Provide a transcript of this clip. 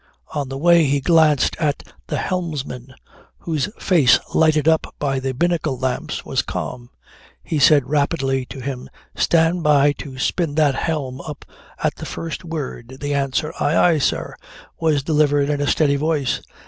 On the way he glanced at the helmsman whose face lighted up by the binnacle lamps was calm. He said rapidly to him: "Stand by to spin that helm up at the first word." The answer "Aye, aye, sir," was delivered in a steady voice.